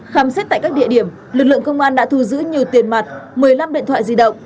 khám xét tại các địa điểm lực lượng công an đã thu giữ nhiều tiền mặt một mươi năm điện thoại di động